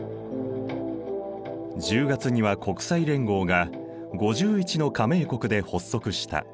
１０月には国際連合が５１の加盟国で発足した。